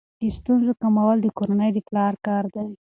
د ستونزو کمول د کورنۍ د پلار کار دی.